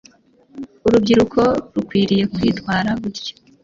Urubyiruko rukwiriye kwitwara gutya